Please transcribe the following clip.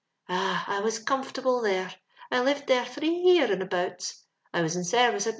Ah ! I was comfortable there ; I lived there three year and abouts. I was in sorvicc at Mx.